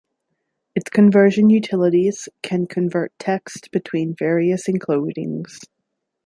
Its conversion utilities can convert text between various encodings.